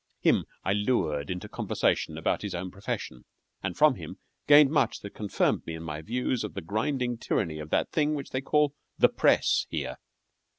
Him I lured into conversation about his own profession, and from him gained much that confirmed me in my views of the grinding tyranny of that thing which they call the Press here.